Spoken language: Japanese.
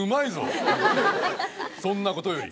そんなことより。